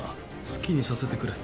好きにさせてくれ。